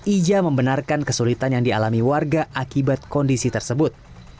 ija membenarkan kesulitan yang dialami warga akibat kondisi tersebut